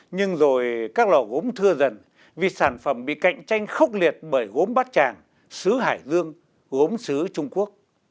nhưng rồi các lò gốm thưa dần vì sản phẩm bị cạnh tranh khốc liệt bởi gốm bát tràng xứ hải dương gốm xứ trung quốc